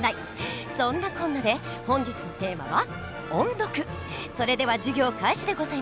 そんなこんなで本日のテーマはそれでは授業開始でございます。